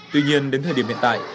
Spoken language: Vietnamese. tuy nhiên đến thời điểm hiện tại